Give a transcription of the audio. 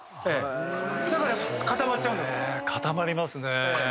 だから固まっちゃうんだと思います。